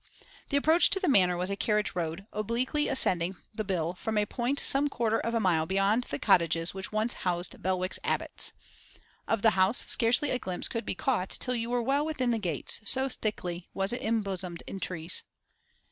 The approach to the Manor was a carriage road, obliquely ascending the bill from a point some quarter of a mile beyond the cottages which once housed Belwick's abbots. Of the house scarcely a glimpse could be caught till you were well within the gates, so thickly was it embosomed in trees.